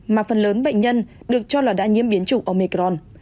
mà phần lớn bệnh nhân được cho là đã nhiễm biến chủng omecron